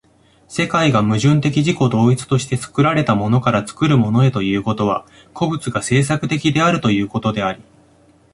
世界が矛盾的自己同一として作られたものから作るものへということは、個物が製作的であるということであり、